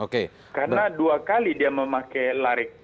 karena dua kali dia memakai larik